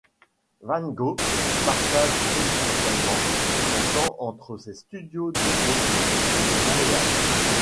Van Go partage présentement son temps entre ses studios de Brooklyn et de Montréal.